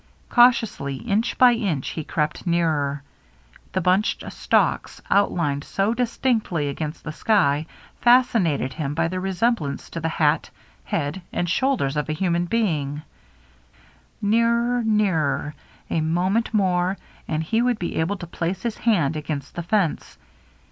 Cautiously inch by inch he crept nearer. The bunched stalks, outlined so distinctly against the sky, fascinated him by their resemblance to the hat, head, and shoulders of a human being. Nearer — nearer — a moment mdre and he would be able to place his hand against the fence.